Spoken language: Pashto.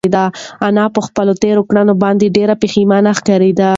انا په خپلو تېرو کړنو باندې ډېره پښېمانه ښکاري.